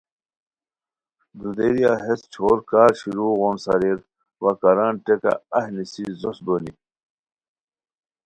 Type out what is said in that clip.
دودیریا ہیس چھور کار شیرو غون سارئیر وا کاران ٹیکہ اہی نیسی زوہچ بونی